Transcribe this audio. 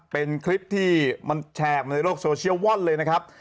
เป็นคลิปที่มันแชร์ออกมาในโลกโซเชียลว่อนเลยนะครับ